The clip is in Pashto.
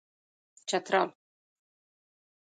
چترال